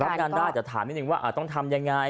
รับงานได้แต่ถามนิดนึงว่าต้องทำยังไง